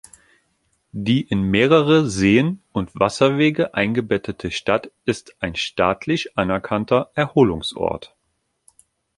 Die in mehrere Seen und Wasserwege eingebettete Stadt ist ein staatlich anerkannter Erholungsort.